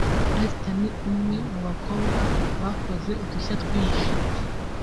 Esther ni umwe mu bakobwa bakoze udushya twinshi